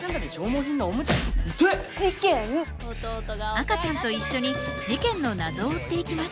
赤ちゃんと一緒に事件の謎を追っていきます。